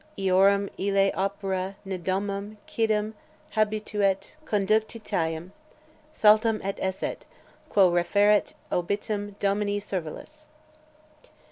Eorum ille opera ne domum quidem habuit conductitiam Saltem ut esset, quo referret obitum domini servulus.